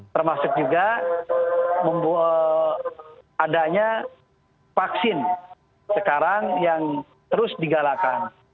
termasuk juga adanya vaksin sekarang yang terus digalakan